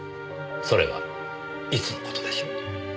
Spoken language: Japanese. それはいつの事でしょう？